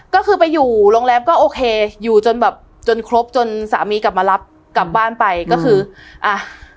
ก็คือไปอยู่โรงแรมก็โอเคอยู่จนแบบจนครบจนสามีกลับมารับกลับบ้านไปก็คืออ่ะ